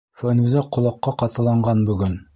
Фәнүзә ҡолаҡҡа ҡатыланған бөгөн.